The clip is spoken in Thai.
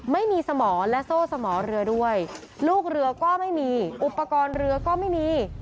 ไม่มีสมอและโซ่สมอเรือด้วยลูกเรือก็ไม่มีอุปกรณ์เรือก็ไม่มี